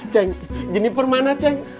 ceng jeniper mana ceng